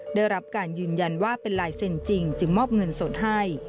ได้รับการยืนยันว่าเป็นลายเซ็นจริงจึงมอบเงินสดให้